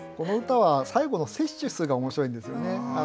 この歌は最後の「摂取す」が面白いんですよね。